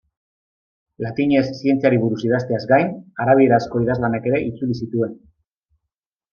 Latinez zientziari buruz idazteaz gain, arabierazko idazlanak ere itzuli zituen.